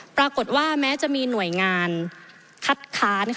ปรากฏว่าแม้จะมีหน่วยงานคัดค้าน